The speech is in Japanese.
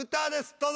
どうぞ。